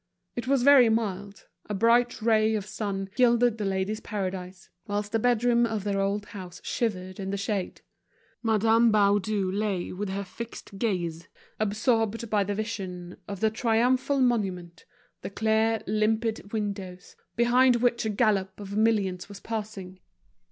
It was very mild, a bright ray of sun gilded The Ladies' Paradise, whilst the bedroom of their old house shivered in the shade. Madame Baudu lay with her fixed gaze, absorbed by the vision of the triumphal monument, the clear, limpid windows, behind which a gallop of millions was passing.